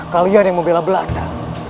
kalian yang membela belanda